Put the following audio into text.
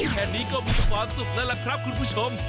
แค่นี้ก็มีความสุขแล้วล่ะครับคุณผู้ชม